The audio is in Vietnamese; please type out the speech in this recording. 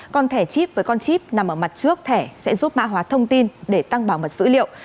còn thẻ chip với con chip nằm ở mặt trước thẻ sẽ giúp mã hóa thông tin để tăng bảo mật dữ liệu